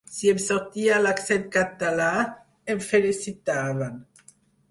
Si em sortia l'accent català, em felicitaven.